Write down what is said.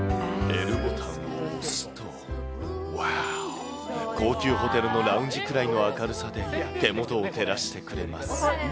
Ｌボタンを押すと、わーお、高級ホテルのラウンジくらいの明るさで手元を照らしてくれます。